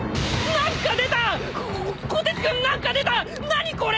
何これ！？